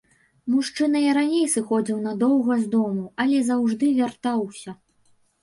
Мужчына і раней сыходзіў надоўга з дому, але заўжды вяртаўся.